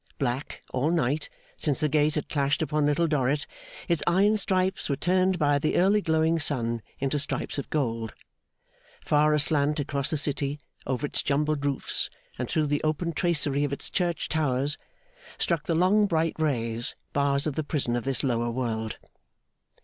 Black, all night, since the gate had clashed upon Little Dorrit, its iron stripes were turned by the early glowing sun into stripes of gold. Far aslant across the city, over its jumbled roofs, and through the open tracery of its church towers, struck the long bright rays, bars of the prison of this lower world.